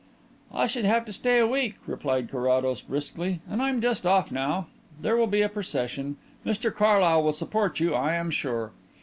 "I should have to stay a week," replied Carrados briskly, "and I'm just off now. There will be a procession. Mr Carlyle will support you, I am sure."